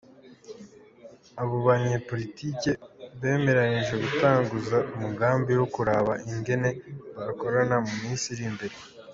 Abo banyepolitike bemeranije gutanguza umugambi wo kuraba ingene bokorana mu minsi iri mbere.